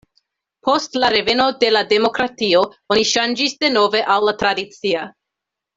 Post la reveno de la demokratio oni ŝanĝis denove al la tradicia.